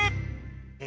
え。